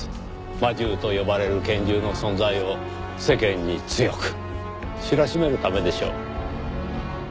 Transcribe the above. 魔銃と呼ばれる拳銃の存在を世間に強く知らしめるためでしょう。